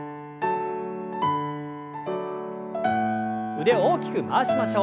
腕を大きく回しましょう。